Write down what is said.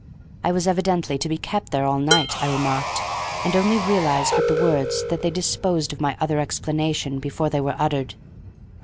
I was evidently to be kept there all night, I remarked, and only realized with the words that they disposed of my other explanations before they were uttered.